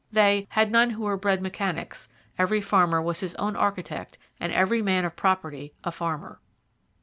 They 'had none who were bred mechanics; every farmer was his own architect and every man of property a farmer.'